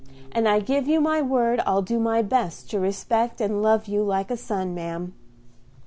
"And I give you my word I'll do my best to respect and love you like a son, ma'am."